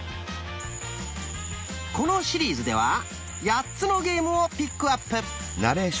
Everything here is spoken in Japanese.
このシリーズでは８つのゲームをピックアップ。